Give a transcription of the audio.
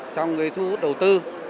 trong người thu đầu tư